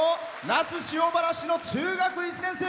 那須塩原市の中学１年生。